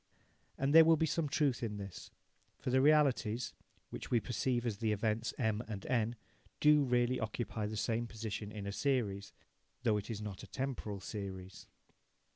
And there will be some truth in this, for the realities, which we perceive as the events M and N, do really occupy the same position in a series, though it is not a temporal series.